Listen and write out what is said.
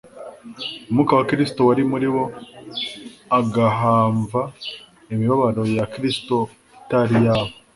"Umwuka wa Kristo wari muri bo, agahamva imibabaro ya Kristo itari yaba,